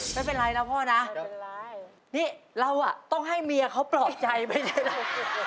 ไม่เป็นไรแล้วพ่อนะนี่เราอ่ะต้องให้เมียเขาปลอบใจไม่ใช่หรือเปล่า